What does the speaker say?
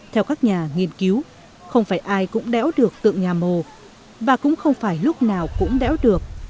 theo các nhà nghiên cứu không phải ai cũng đéo được tượng nhà mồ và cũng không phải lúc nào cũng đéo được